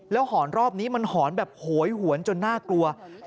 หอนรอบนี้มันหอนแบบโหยหวนจนน่ากลัว